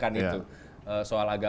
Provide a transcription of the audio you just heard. kalau kita lihat